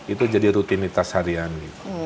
itu jadi rutinitas harian